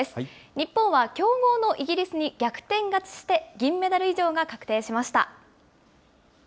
日本は強豪のイギリスに逆転勝ちして、銀メダル以上が確定しました。